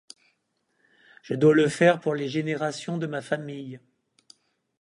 Je dois le faire pour les générations de ma famille.